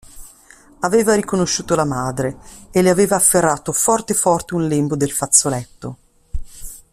Aveva riconosciuto la madre, e le aveva afferrato forte forte un lembo del fazzoletto.